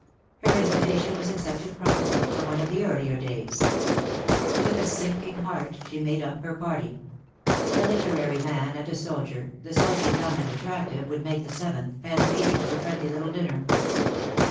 Her invitation was accepted promptly — for one of the earlier days. With a sinking heart she made up her party. A literary man and a soldier, the soldier young and attractive, would make the seventh and eighth of a friendly little dinner.